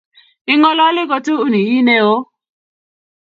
Ingololi kutuuni Ii neo